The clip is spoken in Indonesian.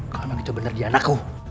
kalo emang itu bener dia anakku